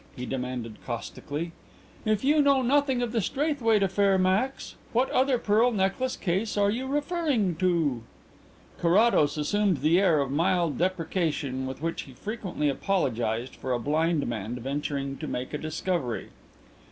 he demanded caustically. "If you know nothing of the Straithwaite affair, Max, what other pearl necklace case are you referring to?" Carrados assumed the air of mild deprecation with which he frequently apologized for a blind man venturing to make a discovery.